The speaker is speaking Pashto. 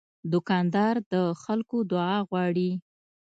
دوکاندار د خلکو دعا غواړي.